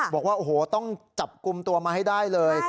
บอกว่าโอ้โหต้องจับกลุ่มตัวมาให้ได้เลย